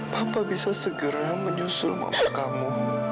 papa bisa segera menyusul bapak kamu